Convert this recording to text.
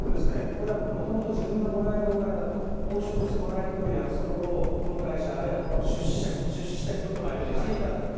これはもともと自分がもらえるお金だと、報酬としてもらえるという約束をその会社、あるいはこの出資した人との間でしていたんだと。